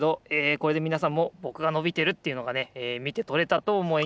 これでみなさんもぼくがのびてるっていうのがねえみてとれたとおもいます。